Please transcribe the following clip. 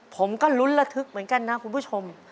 ผมก็ลุ้นระทึกเหมือนกันนะคุณผู้ชม